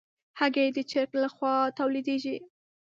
هګۍ د چرګ له خوا تولیدېږي.